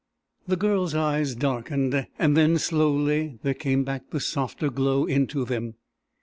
The girl's eyes darkened, and then slowly there came back the softer glow into them.